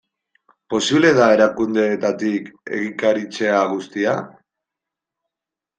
Posible da erakundeetatik egikaritzea guztia?